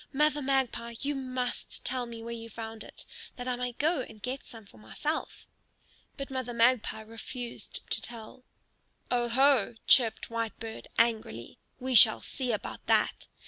"Mother Magpie, you must tell me where you found it, that I may go and get some for myself." But Mother Magpie refused to tell. "Oho!" chirped Whitebird, angrily; "we shall see about that!